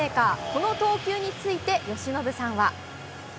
この投球について、由伸さんは。